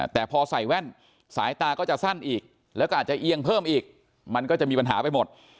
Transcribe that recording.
แต่พอใส่แว่นสายตาก็จะสั้นอีกแล้วก็อาจจะเอียงเพิ่มอีกมันก็จะมีปัญหาไปหมด